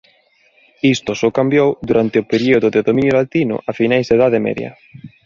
Isto só cambiou durante o período de Dominio latino a finais da Idade Media.